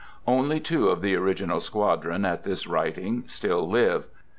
Only two of the original squadron, at this writing, still live.